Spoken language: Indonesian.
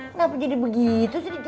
kenapa jadi begitu sih